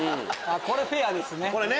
これフェアですね。